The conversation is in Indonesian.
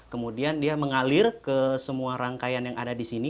kemudian dia mengalir ke semua rangkaian yang ada di sini